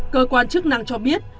cơ quan chức năng cho biết